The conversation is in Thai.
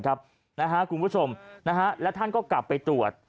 คุณผู้ชมและท่านก็กลับไปตรวจ